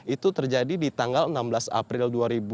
itu terjadi di tanggal enam belas april dua ribu dua puluh